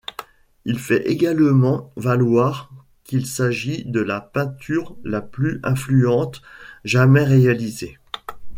Il fait également valoir qu'il s'agit de la peinture la plus influente jamais réalisée.